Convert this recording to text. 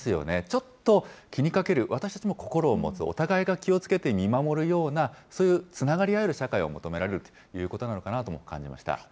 ちょっと気にかける、私たちも心を持つ、お互いが気を付けて見守るような、そういうつながり合える社会を求められるということなのかなとも感じました。